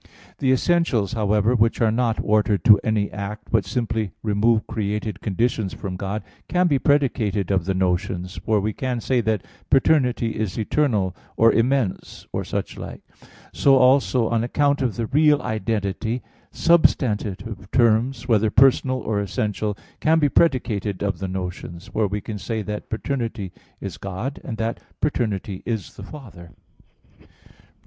The essentials, however, which are not ordered to any act, but simply remove created conditions from God, can be predicated of the notions; for we can say that paternity is eternal, or immense, or such like. So also on account of the real identity, substantive terms, whether personal or essential, can be predicated of the notions; for we can say that paternity is God, and that paternity is the Father.